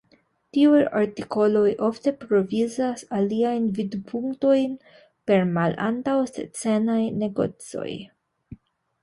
Tiuj artikoloj ofte provizas aliajn vidpunktojn per malantaŭ-scenaj negocoj.